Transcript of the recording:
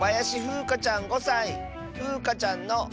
ふうかちゃんの。